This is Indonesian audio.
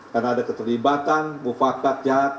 karena ada keterlibatan bufakat jahat